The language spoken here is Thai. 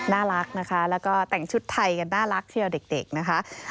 น่ารักนะคะแล้วก็แต่งชุดไทยกันน่ารักทีเดียวเด็กนะคะ